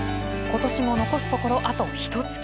今年も残すところあと、ひと月。